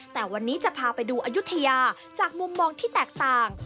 แต่วันนี้จะพาไปดูอายุทยาจากมุมมองที่แตกต่าง